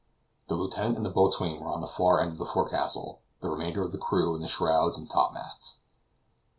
The lieutenant and the boatswain were on the far end of the forecastle; the remainder of the crew in the shrouds and top masts.